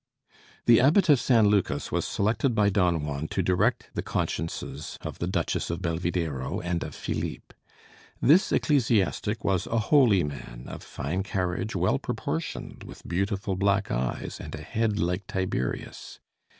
The Abbot of San Lucas was selected by Don Juan to direct the consciences of the Duchess of Belvidéro and of Philippe. This ecclesiastic was a holy man, of fine carriage, well proportioned, with beautiful black eyes and a head like Tiberius.